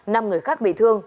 năm người khác bị thương